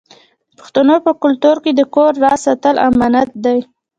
د پښتنو په کلتور کې د کور راز ساتل امانت دی.